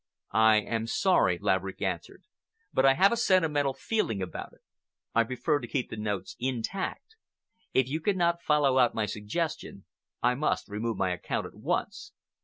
"I am sorry," Laverick answered, "but I have a sentimental feeling about it. I prefer to keep the notes intact. If you cannot follow out my suggestion, I must remove my account at once.